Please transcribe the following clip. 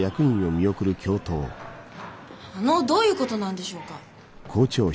あのどういうことなんでしょうか。